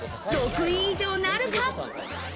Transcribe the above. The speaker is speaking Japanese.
６位以上なるか。